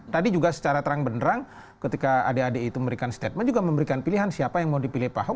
tadi juga secara terang benerang ketika adik adik itu memberikan statement juga memberikan pilihan siapa yang mau dipilih pak ahok